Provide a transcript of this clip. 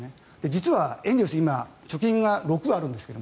実はエンゼルスは今貯金が６あるんです。